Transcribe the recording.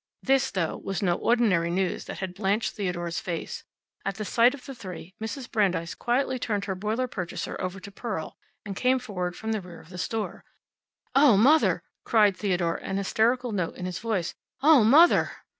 This, though, was no ordinary news that had blanched Theodore's face. At sight of the three, Mrs. Brandeis quietly turned her boiler purchaser over to Pearl and came forward from the rear of the store. "Oh, Mother!" cried Theodore, an hysterical note in his voice. "Oh, Mother!"